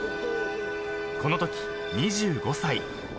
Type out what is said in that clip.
［このとき２５歳］